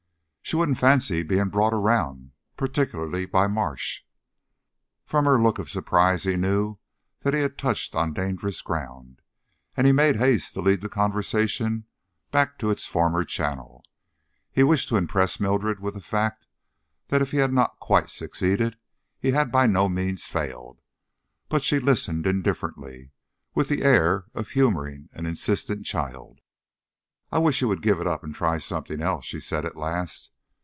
"She wouldn't fancy being 'brought around,' particularly by Marsh." From her look of surprise, he knew that he had touched on dangerous ground, and he made haste to lead the conversation back to its former channel. He wished to impress Mildred with the fact that if he had not quite succeeded, he had by no means failed; but she listened indifferently, with the air of humoring an insistent child. "I wish you would give it up and try something else," she said, at last.